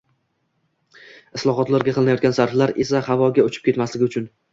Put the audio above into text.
islohotlarga qilinayotgan sarflar esa havoga uchib ketmasligi uchun